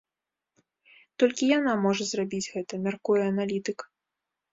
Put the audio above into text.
Толькі яна можа зрабіць гэта, мяркуе аналітык.